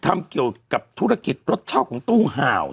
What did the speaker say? ทำเกี่ยวกับธุรกิจรถเช่าของตู้ห่าว